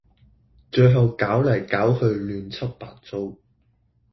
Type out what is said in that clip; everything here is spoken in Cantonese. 最終搞來搞去亂七八糟